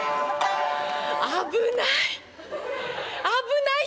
危ない！